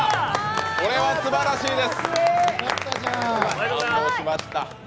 これはすばらしいです。